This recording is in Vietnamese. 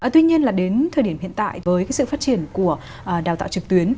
tuy nhiên là đến thời điểm hiện tại với cái sự phát triển của đào tạo trực tuyến